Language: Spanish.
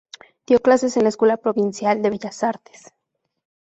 Dio clases en la Escuela Provincial de Bellas Artes “Dr.